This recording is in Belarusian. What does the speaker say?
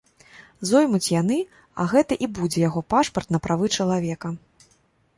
Зоймуць яны, а гэта і будзе яго пашпарт на правы чалавека.